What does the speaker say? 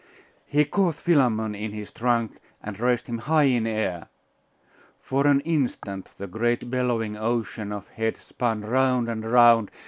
He caught Philammon in his trunk and raised him high in air. For an instant the great bellowing ocean of heads spun round and round.